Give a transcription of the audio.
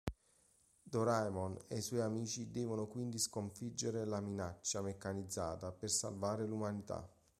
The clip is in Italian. Doraemon e i suoi amici devono quindi sconfiggere la minaccia meccanizzata per salvare l'umanità.